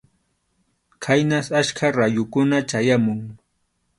Khaynas achka rayukuna chayamun.